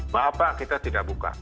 mbak pak kita tidak buka